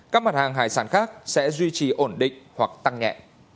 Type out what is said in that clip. các mặt hàng hải sản khác sẽ duy trì ổn định hoặc tăng nhẹ